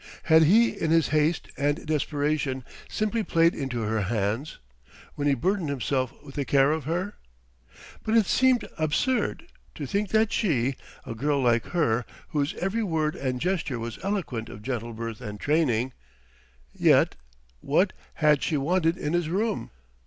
Had he in his haste and desperation simply played into her hands, when he burdened himself with the care of her? But it seemed absurd; to think that she... a girl like her, whose every word and gesture was eloquent of gentle birth and training...! Yet what had she wanted in his room?